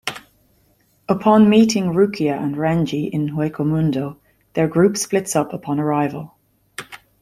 Upon meeting Rukia and Renji in Hueco Mundo, their group splits up upon arrival.